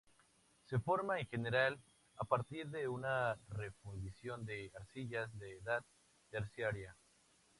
Se forma en general a partir de una refundición de arcillas de edad terciaria.